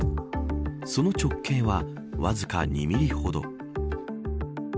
その直径は、わずか２ミリほど。